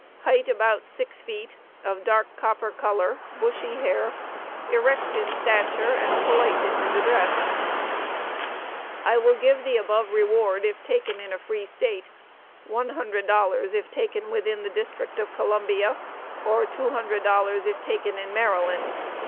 Height about six feet; of dark copper color; bushy hair; erect in stature and polite in his address. I will give the above reward if taken in a free State; $100 if taken within the District of Columbia, or $200 if taken in Maryland.